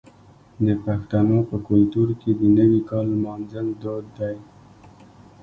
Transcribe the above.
د پښتنو په کلتور کې د نوي کال لمانځل دود دی.